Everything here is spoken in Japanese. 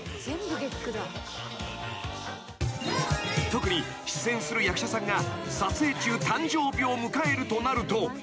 ［特に出演する役者さんが撮影中誕生日を迎えるとなると］